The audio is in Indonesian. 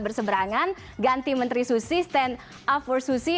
berseberangan ganti menteri susi stand up for susi